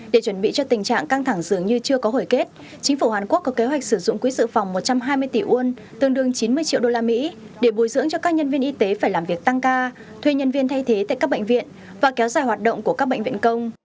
để chuẩn bị cho tình trạng căng thẳng dường như chưa có hồi kết chính phủ hàn quốc có kế hoạch sử dụng quỹ dự phòng một trăm hai mươi tỷ won tương đương chín mươi triệu đô la mỹ để bồi dưỡng cho các nhân viên y tế phải làm việc tăng ca thuê nhân viên thay thế tại các bệnh viện và kéo dài hoạt động của các bệnh viện công